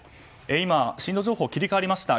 今、震度情報が切り替わりました。